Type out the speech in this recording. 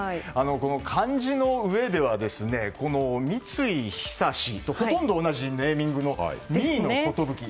この漢字のうえでは三井寿とほとんど同じネーミングの三井の寿。